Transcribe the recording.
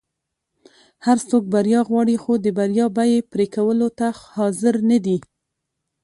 هر څوک بریا غواړي خو د بریا بیی پری کولو ته حاضر نه دي.